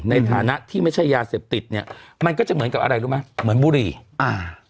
ในฐานะที่ไม่ใช่ยาเสพติดเนี่ยมันก็จะเหมือนกับอะไรรู้ไหม